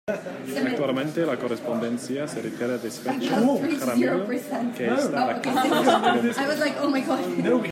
Actualmente la correspondencia se retira y despacha en Jaramillo que esta a escasos kilómetros.